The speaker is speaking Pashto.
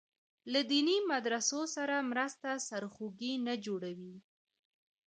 له دیني مدرسو سره مرسته سرخوږی نه جوړوي.